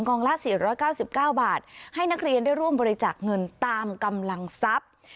กองล่าสี่ร้อยเก้าสิบเก้าบาทให้นักเรียนได้ร่วมบริจักษ์เงินตามกำลังทรัพย์